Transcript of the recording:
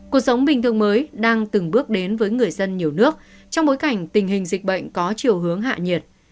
cuộc sống bình thường mới đang từng bước đến với người dân nhiều nước trong bối cảnh tình hình dịch bệnh có chiều hướng hạ nhiệt